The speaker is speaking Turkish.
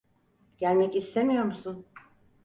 Gelmek istemiyor musun?